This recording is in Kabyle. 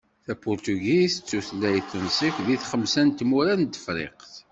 Tapurtugit d tutlayt tunṣibt deg xemsa n tmura n Tefriqt.